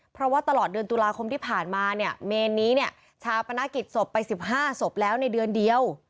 เพราะว่าตลอดเดือนตุลาคมที่ผ่านมาเนี่ยเมนนี้เนี่ยชาปนกิจศพไป๑๕ศพแล้วในเดือนเดียว